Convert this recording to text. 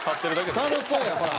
楽しそうやほら！